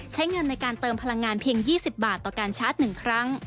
ใช้เงินในการเติมพลังงานเพียง๒๐บาทต่อการชาร์จ๑ครั้ง